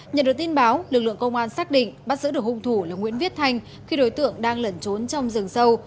nhận được tin báo lực lượng công an xác định bắt giữ được hung thủ là nguyễn viết thanh khi đối tượng đang lẩn trốn trong rừng sâu